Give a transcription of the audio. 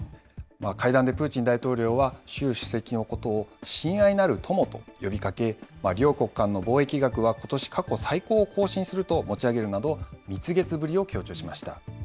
会談でプーチン大統領は、習主席のことを親愛なる友と呼びかけ、両国間の貿易額はことし過去最高を更新すると持ち上げるなど、蜜月ぶりを強調しました。